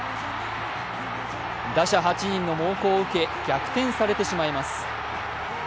打者８人の猛攻を受け、逆転されてしまいます。